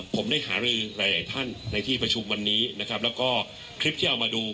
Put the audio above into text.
ผมได้หารือหลายหลายท่านในที่ประชุมวันนี้นะครับแล้วก็คลิปที่เอามาดู